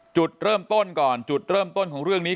จุดเริ่มต้นก่อนจุดเริ่มต้นของเรื่องนี้